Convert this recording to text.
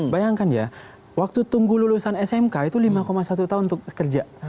bayangkan ya waktu tunggu lulusan smk itu lima satu tahun untuk kerja